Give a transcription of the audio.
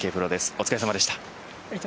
お疲れさまでした。